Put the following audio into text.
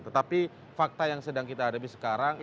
tetapi fakta yang sedang kita hadapi sekarang